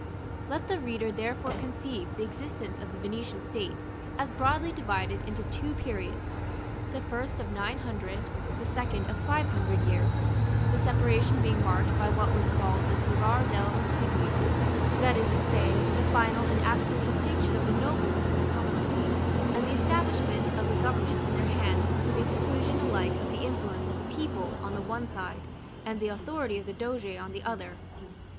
§ IV. Let the reader therefore conceive the existence of the Venetian state as broadly divided into two periods: the first of nine hundred, the second of five hundred years, the separation being marked by what was called the "Serrar del Consiglio;" that is to say, the final and absolute distinction of the nobles from the commonalty, and the establishment of the government in their hands to the exclusion alike of the influence of the people on the one side, and the authority of the doge on the other.